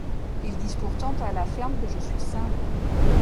Ils disent pourtant à la ferme que je suis simple.